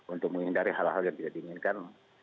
untuk menghindari hal hal yang tidak diinginkan